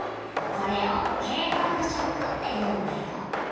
これを「警告色」っていうんだよ